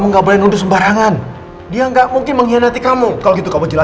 sebaiknya sekarang kamu tenangin hati kamu dulu ya